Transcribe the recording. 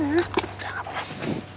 udah nggak rawp